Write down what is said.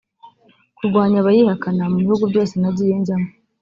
Kurwanya abayihakana mu bihugu byose nagiye njyamo